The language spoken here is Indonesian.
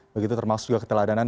begitu termasuk juga keteladanan